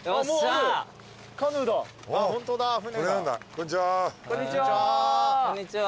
こんにちは。